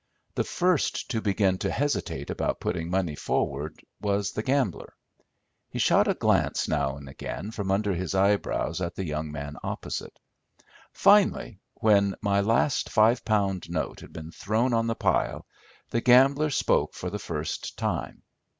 The first to begin to hesitate about putting money forward was the gambler. He shot a glance now and again from under his eyebrows at the young man opposite. Finally, when my last five pound note had been thrown on the pile, the gambler spoke for the first time.